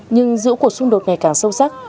nhưng giữa cuộc xung đột ngày càng sâu sắc